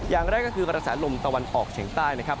อย่างแรกก็คือกระแสลมตะวันออกเฉียงใต้นะครับ